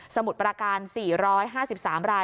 มุดประการ๔๕๓ราย